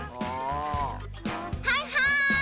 はいはい！